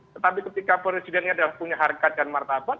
tetapi ketika presidennya punya harkat dan martabat